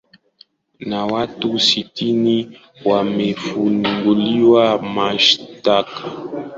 na watu sitini wamefunguliwa mashtaka